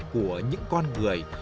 của những con người